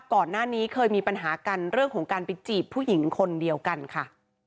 ก่อนหน้านี้เคยมีปัญหากันเรื่องของการไปจีบผู้หญิงคนเดียวกันค่ะ